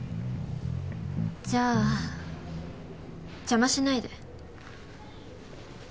じゃあ邪魔しないで。